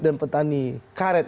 dan petani karet